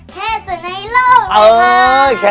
แค่สุดในโลกเลยครับ